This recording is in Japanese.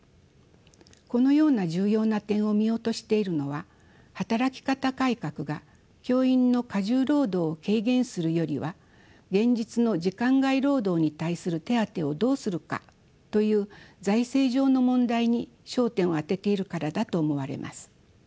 このような重要な点を見落としているのは働き方改革が教員の過重労働を軽減するよりは現実の時間外労働に対する手当をどうするかという財政上の問題に焦点を当てているからだと思われます。